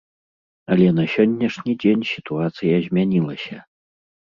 Але на сённяшні дзень сітуацыя змянілася.